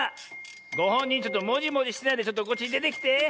ごほんにんちょっともじもじしてないでちょっとこっちでてきて。